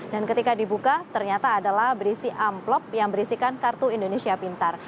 dan ketika dibuka ternyata adalah berisi amplop yang berisikan kartu indonesia pintar